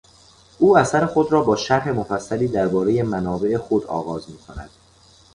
او اثر خود را با شرح مفصلی دربارهی منابع خود آغاز میکند.